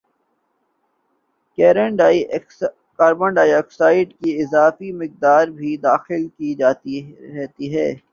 carbon dioxide کی اضافی مقدار بھی داخل کی جاتی رہتی ہے